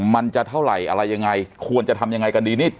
มันจะเท่าไหร่อะไรยังไงควรจะทำยังไงกันดีนี่